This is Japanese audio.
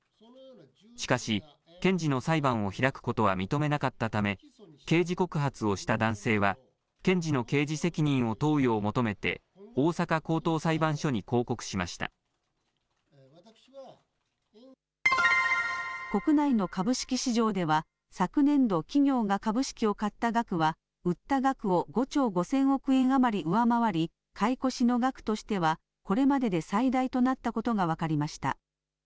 しかし、検事の裁判を開くことは認めなかったため、刑事告発をした男性は検事の刑事責任を問うよう求めて、国内の株式市場では、昨年度、企業が株式を買った額は売った額を５兆５０００億円余り上回り、買い越しの額としてはこれまでで最大となったことが分かりました。